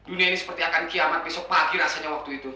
dunia ini seperti akan kiamat besok pagi rasanya waktu itu